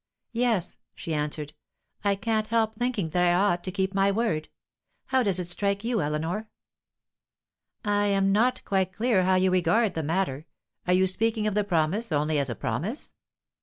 "Yes," she answered, "I can't help thinking that I ought to keep my word. How does it strike you, Eleanor?" "I am not quite clear how you regard the matter. Are you speaking of the promise only as a promise?"